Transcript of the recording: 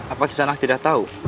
apa kisanak tidak tahu